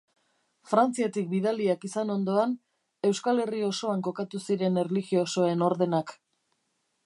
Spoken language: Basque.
Frantziatik bidaliak izan ondoan, Euskal Herri osoan kokatu ziren erlijiosoen ordenak.